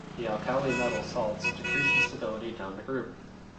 The alkali metal salts decrease in stability down the group.